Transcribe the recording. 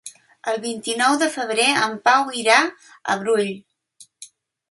El vint-i-nou de febrer en Pau irà al Brull.